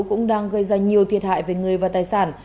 cũng đang gây ra nhiều thiệt hại về người và tài sản